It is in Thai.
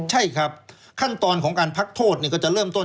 ใช่ครับขั้นตอนของการพักโทษก็จะเริ่มต้น